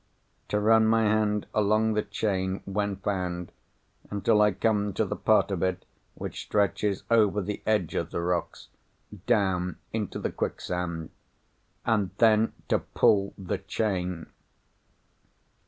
To run my hand along the Chain, when found, until I come to the part of it which stretches over the edge of the rocks, down into the quicksand. _And then, to pull the chain.